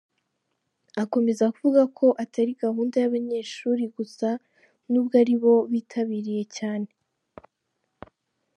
Akomeza avuga ko atari gahunda y’abanyeshuri gusa n’ubwo aribo bitabiriye cyane.